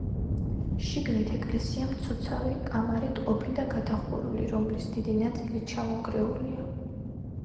შიგნით ეკლესია მცოცავი კამარით ყოფილა გადახურული, რომლის დიდი ნაწილი ჩამონგრეულია.